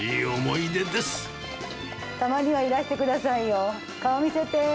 たまにはいらしてくださいよ。